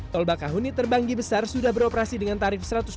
tol bakahuni terbanggi besar sudah beroperasi dengan terbentuk